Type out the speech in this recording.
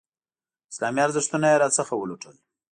اسلامي ارزښتونه یې راڅخه ولوټل.